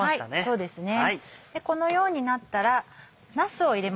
そうですね。